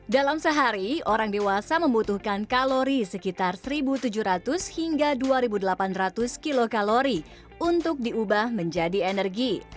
dalam sehari orang dewasa membutuhkan kalori sekitar seribu tujuh ratus hingga dua ribu delapan ratus kilokalori untuk diubah menjadi energi